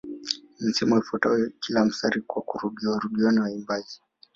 Misemo ifuatayo kila mstari kwa kurudiwarudiwa na waimbaji